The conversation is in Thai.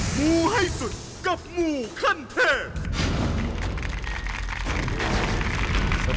ให้สุดกับหมูขั้นแทบ